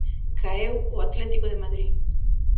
Caeu o Atlético de Madrid.